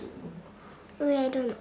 植えるの。